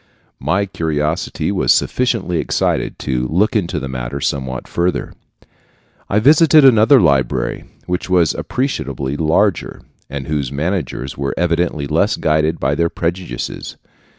My curiosity was sufficiently excited to look into the matter somewhat further. I visited another library, which was appreciably larger, and whose managers were evidently less guided by their prejudices.